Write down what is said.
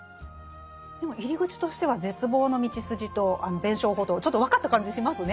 でも入り口としては絶望のみちすじとあの弁証法とちょっと分かった感じしますね。